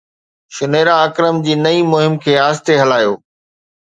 شنيرا اڪرم جي نئين مهم کي آهستي هلايو